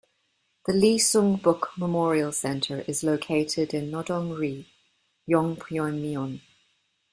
The Lee Seung-bok Memorial Center is located in Nodong-ri, Yongpyeong-myeon.